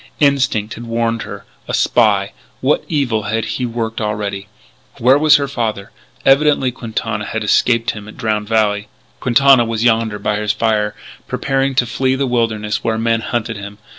Instinct had warned her. A spy! What evil had he worked already? Where was her father? Evidently Quintana had escaped him at Drowned Valley.... Quintana was yonder by his fire, preparing to flee the wilderness where men hunted him....